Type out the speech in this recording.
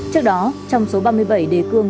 trước đó trong số ba mươi bảy đề cương